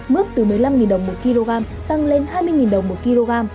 mức từ một mươi năm đồng một kg tăng lên hai mươi đồng một kg